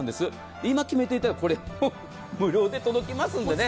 今決めていただいたら無料で届きますので。